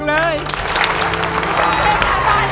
ร้องจาน